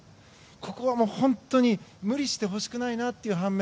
ここは本当に無理してほしくないなという半面